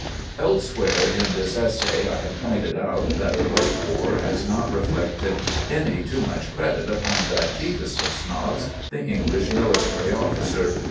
Elsewhere in this essay I have pointed out that the late war has not reflected any too much credit upon that chiefest of snobs the English military officer.